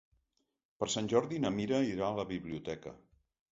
Per Sant Jordi na Mira irà a la biblioteca.